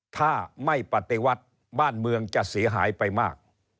ถ้าไม่ปฏิวัติบ้านเมืองจะเสียหายไปมาก